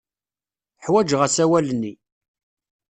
Ḥwajeɣ asawal-nni.